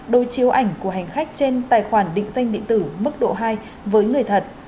đối chiếu ảnh của hành khách trên tài khoản định danh điện tử mức độ hai với người thật